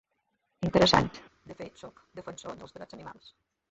Interessant... De fet sóc defensor dels drets animals.